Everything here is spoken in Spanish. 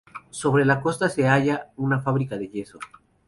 Sobre la costa se halla una fábrica de yeso.